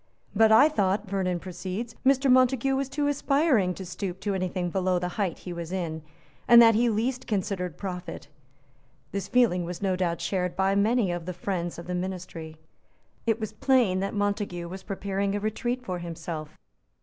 "But I thought," Vernon proceeds, "Mr. Montague was too aspiring to stoop to any thing below the height he was in, and that he least considered profit." This feeling was no doubt shared by many of the friends of the ministry. It was plain that Montague was preparing a retreat for himself.